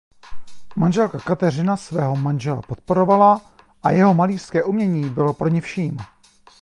Manželka Kateřina svého manžela podporovala a jeho malířské umění bylo pro ni vším.